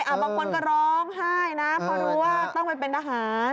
บางคนก็ร้องไห้นะเพราะรู้ว่าต้องไปเป็นทหาร